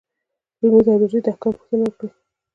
لمونځ او روژې د احکامو پوښتنه وکړي.